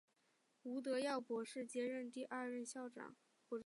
吴德耀博士接任第二任校长。